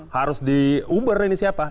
harus diuber ini siapa